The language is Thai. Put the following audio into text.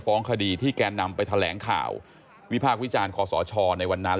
คดีที่แกนำไปแถลงข่าววิพากษ์วิจารณ์คอสชในวันนั้น